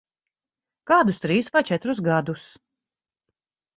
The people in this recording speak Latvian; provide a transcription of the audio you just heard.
Kādus trīs vai četrus gadus.